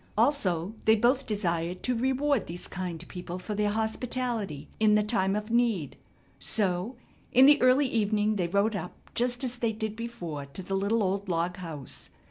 Also they both desired to reward these kind people for their hospitality in the time of need. So, in the early evening they rode up just as they did before to the little old log house.